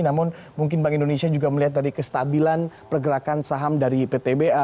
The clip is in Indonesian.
namun mungkin bank indonesia juga melihat dari kestabilan pergerakan saham dari ptba